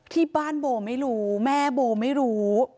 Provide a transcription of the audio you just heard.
ที่บ้านโบไม่รู้แม่โบไม่รู้